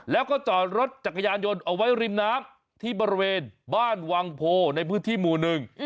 แล้วก็จอดรถจักรยานยนต์เอาไว้ริมน้ำที่บริเวณบ้านวังโพในพื้นที่หมู่หนึ่ง